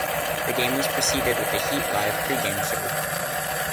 The game was preceded with the "Heat Live" pregame show.